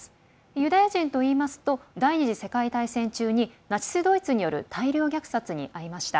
ユダヤ人といいますと第２次世界大戦中にナチス・ドイツによる大量虐殺にあいました。